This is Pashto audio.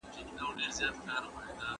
هغه تل د بورګان په اړه خبرې کوي.